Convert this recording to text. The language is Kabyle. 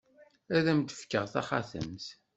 Ad am-d-fkeɣ taxatemt.